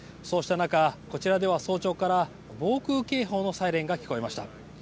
そうした中こちらでは早朝から防空警報のサイレンが聞こえました。